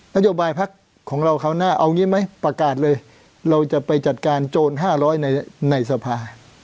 นโยบายพักของเราคราวหน้าเอางี้ไหมประกาศเลยเราจะไปจัดการโจร๕๐๐ในสภา